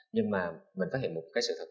nhưng mà mình phát hiện một sự thật